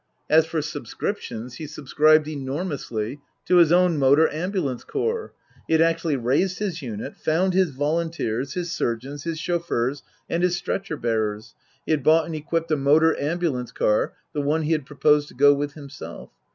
As for subscriptions, he subscribed enormously to his own Motor Ambulance Corps. He had actually raised his unit, found his volunteers, his surgeons, his chauffeurs and his stretcher bearers, he had bought and equipped a Motor Ambulance car, the one he had proposed to go with himself.